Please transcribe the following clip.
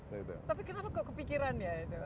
tapi kenapa kok kepikiran ya